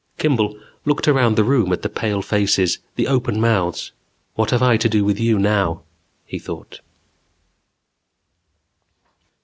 Kimball looked around the room at the pale faces, the open mouths. What have I to do with you now, he thought?